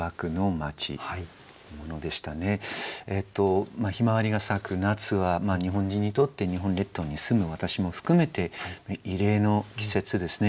向日葵が咲く夏は日本人にとって日本列島に住む私も含めて慰霊の季節ですね。